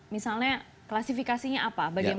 misalnya klasifikasinya apa bagaimana